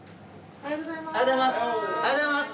おはようございます。